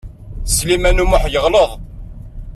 Sliman U Muḥ yeɣleḍ.